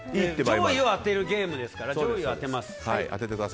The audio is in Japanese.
上位を当てるゲームですから上位を当てます。